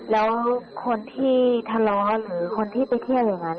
แล้วคนที่ทะเลาะหรือคนที่ไปเที่ยวอย่างนั้น